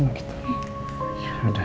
oke ya udah